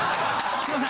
すいません！